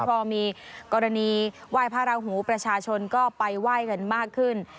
พอมีกรณีไหว้พระราหูประชาชนก็ไปไหว้กันมากขึ้น